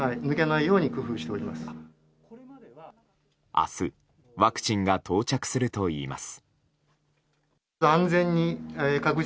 明日、ワクチンが到着するといいます。